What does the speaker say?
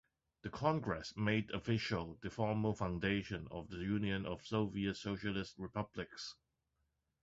The Congress made official the formal foundation of the Union of Soviet Socialist Republics.